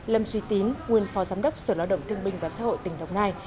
lâm duy tín nguyên phó giám đốc sở lao động thương binh và xã hội tỉnh đồng nai